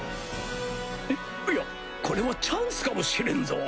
いいやこれはチャンスかもしれんぞ